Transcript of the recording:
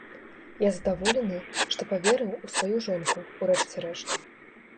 Я задаволены, што паверыў у сваю жонку, у рэшце рэшт.